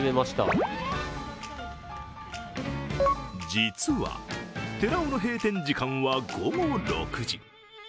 実は、てらおの閉店時間は午後６時。